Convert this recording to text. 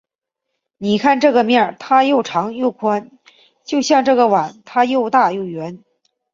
你看这个面，它又长又宽，就像这个碗，它又大又圆。